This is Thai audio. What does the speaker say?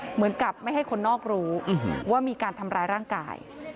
เหมือนกับไม่ให้คนนอกรู้ว่ามีการทำร้ายร่างกาย